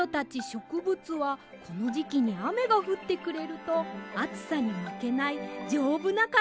しょくぶつはこのじきにあめがふってくれるとあつさにまけないじょうぶなからだになれるんです。